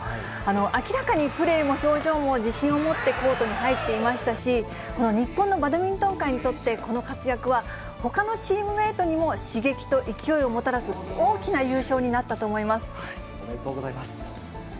明らかにプレーも表情も自信を持ってコートに入っていましたし、この日本のバドミントン界にとって、この活躍は、ほかのチームメートにも刺激と勢いをもたらす大きな優勝になったおめでとうございます。